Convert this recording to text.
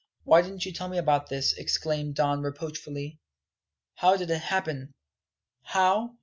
"Why didn't you tell me about this?" exclaimed Don reproachfully. "How did it happen?" "How?